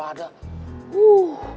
ternyata melinya tidur